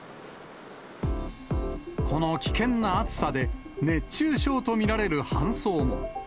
この危険な暑さで、熱中症と見られる搬送も。